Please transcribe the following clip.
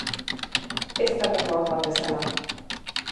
Ez tratatu haur bat bezala.